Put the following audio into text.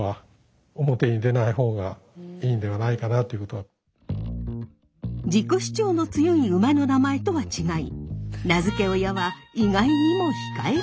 できるだけ自己主張の強い馬の名前とは違い名付け親は意外にも控えめな人物。